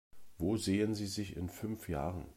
Wo sehen Sie sich in fünf Jahren?